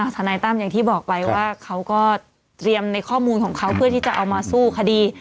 ทนายตั้มอย่างที่บอกไปว่าเขาก็เตรียมในข้อมูลของเขาเพื่อที่จะเอามาสู้คดี